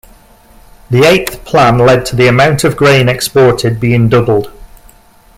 The eighth plan led to the amount of grain exported being doubled.